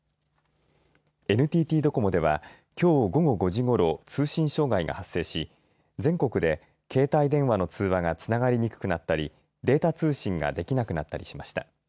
ＮＴＴドコモではきょう午後５時ごろ通信障害が発生し全国で携帯電話の通話がつながりにくくなったりデータ通信ができなくなったりしました。